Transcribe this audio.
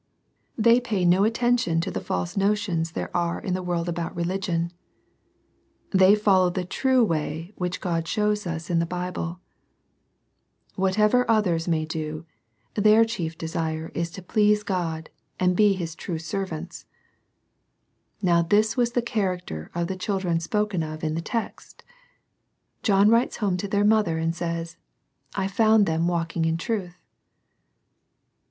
They pay no attention to the false notions there are in the world about religion. They follow the true way which God shows us in the Bible. Whatever others may do, their chief desire is to please God, and be CHILDREN WALKING IN TRUTH. 25 His true servants. Now this was the character of the children spoken of in the text. — John writes home to their mother, and says, " I found them walking in truth."